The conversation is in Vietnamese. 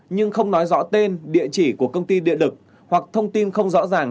nhưng không nói rõ tên địa chỉ của công ty điện lực hoặc thông tin không rõ ràng